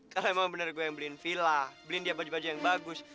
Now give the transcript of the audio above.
kalau emang bener gue yang beliin villa beliin dia baju baju yang bagus